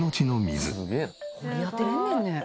掘り当てられんねんね。